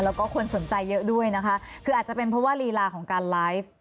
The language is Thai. แล้วก็คนสนใจเยอะด้วยนะคะคืออาจจะเป็นเพราะว่าลีลาของการไลฟ์